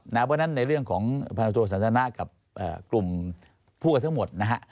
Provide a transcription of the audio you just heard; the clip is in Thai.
เพราะฉะนั้นในเรื่องของพันธุสันทนะกับกลุ่มพวกกันทั้งหมดนะฮะ